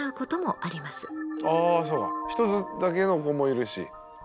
ああそうか１つだけの子もいるし。